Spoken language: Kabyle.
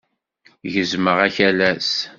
Gezmeɣ akalas.